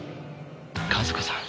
和子さん。